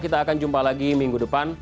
kita akan jumpa lagi minggu depan